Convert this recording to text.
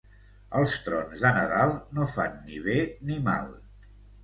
Els trons de Nadal no fan ni bé ni mal.